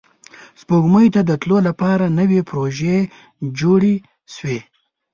سپوږمۍ ته د تلو لپاره نوې پروژې جوړې شوې